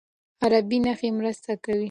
عربي نښې مرسته کوي.